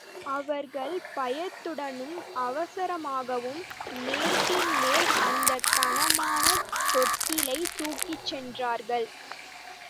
அவர்கள் பயத்துடனும் அவசரமாகவும், மேட்டின்மேல் அந்தக் கனமான தொட்டிலைத் தூக்கிச் சென்றார்கள்.